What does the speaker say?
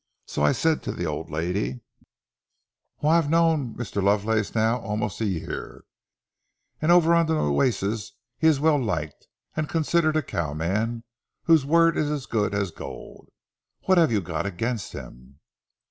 So I said to the old lady: "Why, I've known Mr. Lovelace now almost a year, and over on the Nueces he is well liked, and considered a cowman whose word is as good as gold. What have you got against him?"